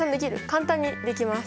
簡単にできます。